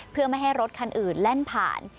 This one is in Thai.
เพื่อไม่ให้รถคันอื่นแล่นผ่าน